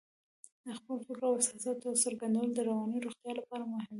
د خپلو فکرونو او احساساتو څرګندول د رواني روغتیا لپاره مهم دي.